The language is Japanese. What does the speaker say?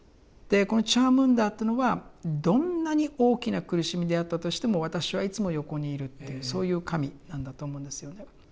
このチャームンダーっていうのはどんなに大きな苦しみであったとしても私はいつも横にいるっていうそういう神なんだと思うんですよね。